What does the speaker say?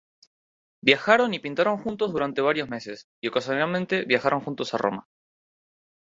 Viajaron y pintaron juntos durante varios meses, y ocasionalmente viajaron juntos a Roma.